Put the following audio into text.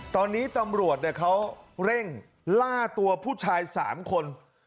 ตอนนี้ตำรวจเขาเร่งล่าตัวผู้ชาย๓คน